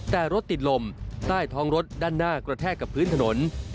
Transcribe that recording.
แต่รถติดลมใต้ท้องรถด้านหน้ากระแทกกับพื้นถนน